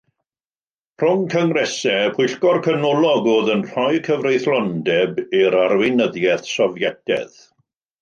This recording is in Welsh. Rhwng Cyngresau, y Pwyllgor Canolog oedd yn rhoi cyfreithlondeb i'r arweinyddiaeth Sofietaidd.